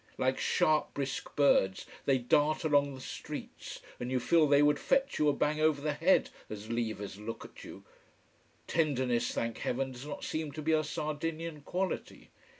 Like sharp, brisk birds they dart along the streets, and you feel they would fetch you a bang over the head as leave as look at you. Tenderness, thank heaven, does not seem to be a Sardinian quality.